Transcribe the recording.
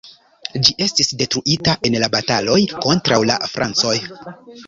Ĝi estis detruita en la bataloj kontraŭ la francoj.